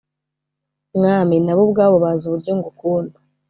Mwami na bo ubwabo bazi uburyo ngukunda